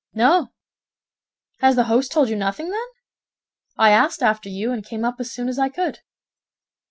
"No." "Has the host told you nothing, then?" "I asked after you, and came up as soon as I could."